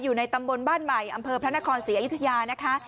อยู่ในตำบลบ้านใหม่อำเภอพระนครศรีอยุธยานะคะ